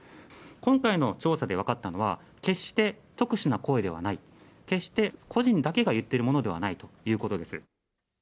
今回の調査で分かったのは、決して特殊な声ではない、決して個人だけが言ってるものではないということです。